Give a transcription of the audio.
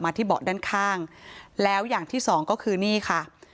ที่เบาะด้านข้างแล้วอย่างที่สองก็คือนี่ค่ะ